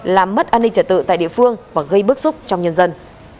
làm mất an ninh trả tự tại địa phương và gây bức xúc trong nhân dân